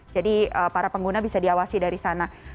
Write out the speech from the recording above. jadi para pengguna bisa diawasi dari sana